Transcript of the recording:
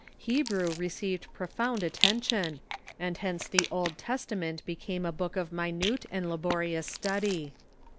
Hebrew received profound attention, and hence the Old Testament became a book of minute and laborious study.